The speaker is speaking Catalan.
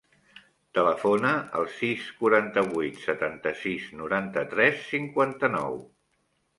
Telefona al sis, quaranta-vuit, setanta-sis, noranta-tres, cinquanta-nou.